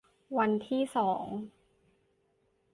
วันที่สอง